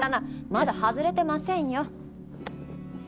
まだ外れてませんよ。